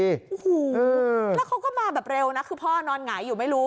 แล้วเขาก็มาแบบเร็วนะคือพ่อนอนไหนอยู่ไม่รู้